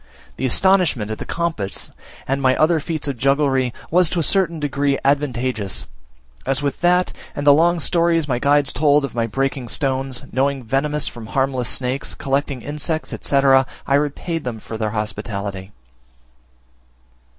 The astonishment at the compass, and my other feats of jugglery, was to a certain degree advantageous, as with that, and the long stories my guides told of my breaking stones, knowing venomous from harmless snakes, collecting insects, etc., I repaid them for their hospitality.